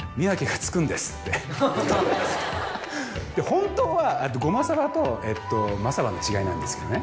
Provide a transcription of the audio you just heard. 本当はゴマサバとえっとマサバの違いなんですけどね。